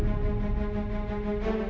bukannya dari tadi sekalian